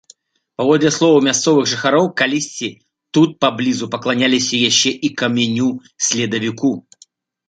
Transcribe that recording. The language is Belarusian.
Паводле словаў мясцовых жыхароў, калісьці тут паблізу пакланяліся яшчэ і каменю-следавіку.